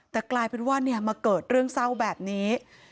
แต่กลายเป็นว่ามาเกิดเรื่องเศร้าแบบนี้